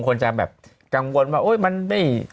คนจะแบบกังวลว่าโอ๊ยมันไม่